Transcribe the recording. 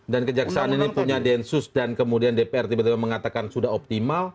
dan kejaksaan ini punya densus dan kemudian dpr tiba tiba mengatakan sudah optimal